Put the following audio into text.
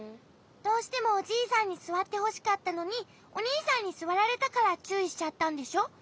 どうしてもおじいさんにすわってほしかったのにおにいさんにすわられたからちゅういしちゃったんでしょ？